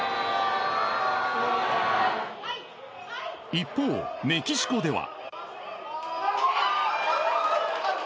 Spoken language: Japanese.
一方、メキシコでは。